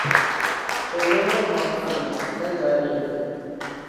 سۆزلىرىڭىز ئارتۇق ئەمەس، دەل جايىغا يەتتى.